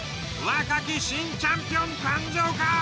若き新チャンピオン誕生か？